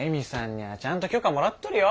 にゃあちゃんと許可もらっとるよ？